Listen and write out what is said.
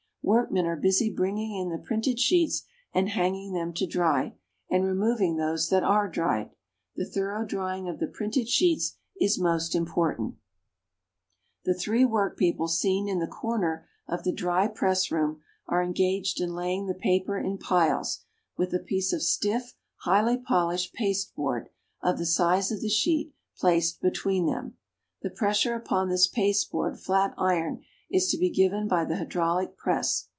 Workmen are busy bringing in the printed sheets, and hanging them to dry, and removing those that are dried. The thorough drying of the printed sheets is most important. [Illustration: Dry press Room.] The three work people seen in the corner of the Dry press room, are engaged in laying the paper in piles, with a piece of stiff, highly polished pasteboard, of the size of the sheet, placed between them. The pressure upon this pasteboard flat iron is to be given by the hydraulic press.